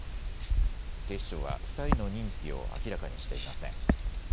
警視庁は２人の認否を明らかにしていません。